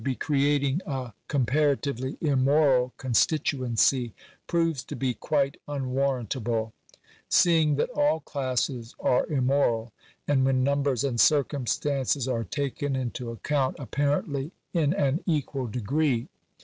249 be creating a comparatively immoral constituency, proves to be quite unwarrantable ; seeing that all classes are immoral, and, when numbers and circumstances are taken into account, apparently in an equal degree.